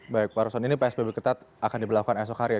baik pak roson ini psbb ketat akan diberlakukan esok hari ya